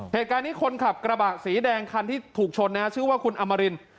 เหตุการณ์นี้คนขับกระบะสีแดงคันที่ถูกชนนะชื่อว่าคุณอมริน